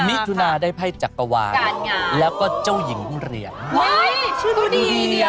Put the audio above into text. มิดทุนาได้ไภจักวารด์แล้วก็เจ้าหญิงเหรียญ